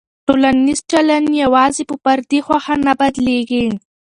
ټولنیز چلند یوازې په فردي خوښه نه بدلېږي.